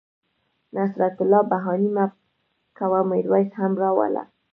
نصرت الله بهاني مه کوه میرویس هم را وله